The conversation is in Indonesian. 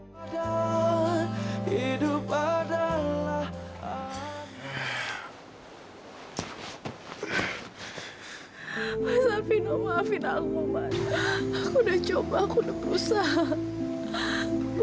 habis itu kita bakalan lanjutkan arakan cusco